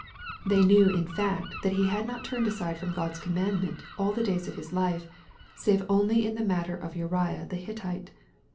They knew in fact that he had not turned aside from God's commandment, all the days of his life, " save only in the matter of Uriah the Hittite."